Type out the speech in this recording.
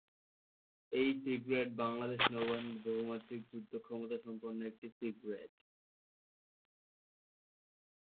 এই ফ্রিগেট বাংলাদেশ নৌবাহিনীর বহুমাত্রিক যুদ্ধ ক্ষমতা সম্পন্ন একটি ফ্রিগেট।